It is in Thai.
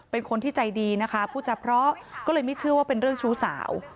เป็นคนที่ใจดีนะคะพูดจะเพราะก็เลยไม่เชื่อว่าเป็นเรื่องชู้สาว